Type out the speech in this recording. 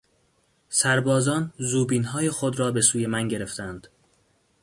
سربازان زوبینهای خود را به سوی من گرفتند.